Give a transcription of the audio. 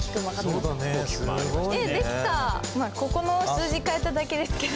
まあここの数字変えただけですけど。